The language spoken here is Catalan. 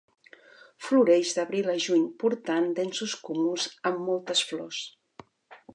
Floreix d'abril a juny portant densos cúmuls amb moltes flors.